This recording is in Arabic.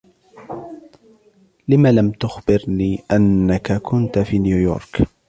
لِم لَم تخبرني أنك كنت في نيويورك ؟